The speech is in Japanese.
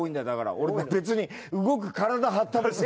俺別に動く体張った。